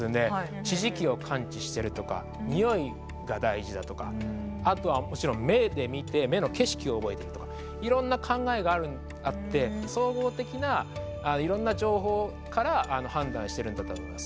地磁気を感知してるとかにおいが大事だとかあとはもちろん目で見て目の景色を覚えてるとかいろんな考えがあって総合的ないろんな情報から判断してるんだと思います。